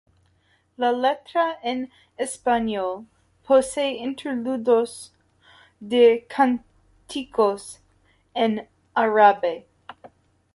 La letra en español, posee interludios de cánticos en árabe.